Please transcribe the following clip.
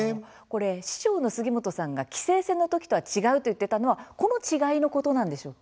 師匠の杉本さんが「棋聖戦のときとは違う」と言ってたのはこの違いのことですか。